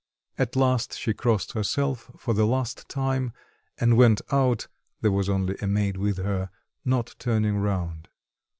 At last she crossed herself for the last time and went out there was only a maid with her not turning round.